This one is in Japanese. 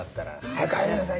「早く入りなさい！」。